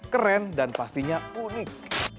keren dan pastinya unik